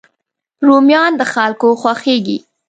رومیان د خلکو خوښېږي